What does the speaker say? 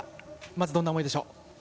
まず、どんな思いでしょう？